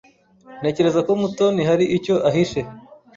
Ntekereza ko Mutoni hari icyo ahishe.